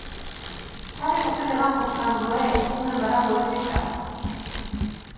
¿Saben o que levamos cando é un embarazo desexado?